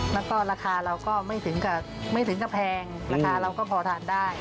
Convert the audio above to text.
แล้วก็ราคาเราก็ไม่ถึงกับแพงราคาเราก็พอทานได้